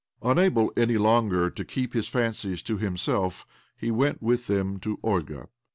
Unable any longer to keep his fancies to himself, he went with them to Olga.